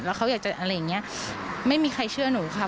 แล้วเขาอยากจะอะไรอย่างเงี้ยไม่มีใครเชื่อหนูค่ะ